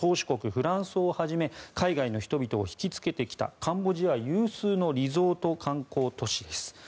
フランスをはじめ海外の人々を引きつけてきたカンボジア有数のリゾート観光都市です。